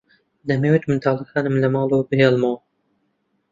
دەمەوێت منداڵەکانم لە ماڵەوە بهێڵمەوە.